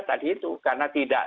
tadi itu karena tidak